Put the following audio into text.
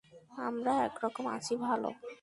আমরা এক রকম আছি ভাল।